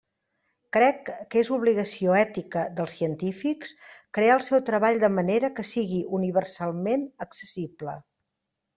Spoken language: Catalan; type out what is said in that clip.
Crec que és obligació ètica dels científics crear el seu treball de manera que sigui universalment accessible.